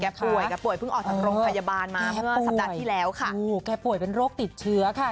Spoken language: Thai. แก่ป่วยแก่ป่วยก็เป็นโรคติดเชื้อค่ะ